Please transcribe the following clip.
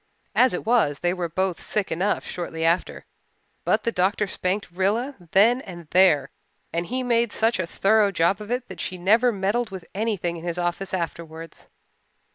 As it was, they were both sick enough shortly after. But the doctor spanked Rilla then and there and he made such a thorough job of it that she never meddled with anything in his office afterwards.